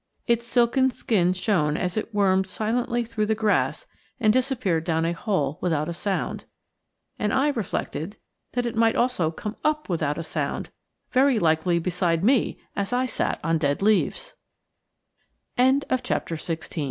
Its silken skin shone as it wormed silently through the grass and disappeared down a hole without a sound, and I reflected that it might also come up without a sound, very likely beside me as I sat on the dead leaves! XVII.